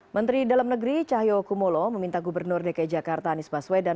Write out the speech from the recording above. menteri dalam negeri cahyokumolo meminta gubernur dki jakarta anies baswedan